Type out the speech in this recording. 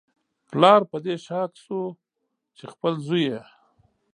پلار په دې شاک شو چې خپل زوی یې